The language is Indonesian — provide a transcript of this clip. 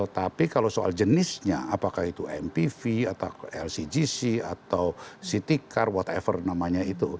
tapi kalau soal jenisnya apakah itu mpv atau lcgc atau city car what ever namanya itu